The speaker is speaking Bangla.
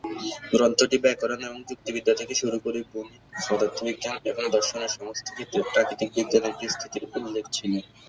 গ্রন্থটি ব্যাকরণ এবং যুক্তিবিদ্যা থেকে শুরু করে গণিত, পদার্থবিজ্ঞান এবং দর্শনের সমস্ত ক্ষেত্রে প্রাকৃতিক বিজ্ঞানের বিস্তৃতির উল্লেখ ছিল।